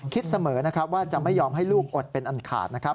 คิดเสมอนะครับว่าจะไม่ยอมให้ลูกอดเป็นอันขาดนะครับ